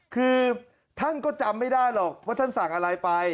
คือท่านก็จำไม่ได้หรอกว่าท่านสั่งอะไรไป